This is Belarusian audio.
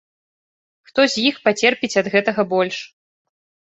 Хто з іх пацерпіць ад гэтага больш?